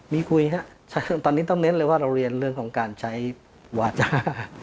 มีคุยครับตอนนี้ต้องเน้นเลยว่าเราเรียนเรื่องของการใช้วาจา